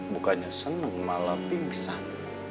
bukannya seneng malah pingsan